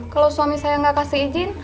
kalau suami saya nggak kasih izin